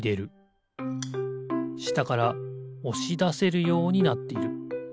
したからおしだせるようになっている。